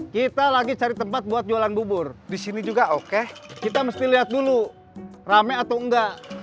kita lagi cari tempat buat jualan bubur disini juga oke kita mesti lihat dulu rame atau enggak